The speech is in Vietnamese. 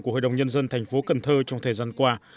của hội đồng nhân dân tp cần thơ trong thời gian qua